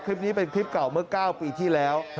คลิปนี้เป็นคลิปเก่าเมื่อ๙ปีที่แล้ว